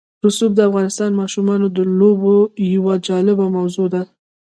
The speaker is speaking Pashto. رسوب د افغان ماشومانو د لوبو یوه جالبه موضوع ده.